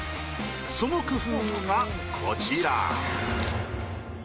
その工夫がこちら。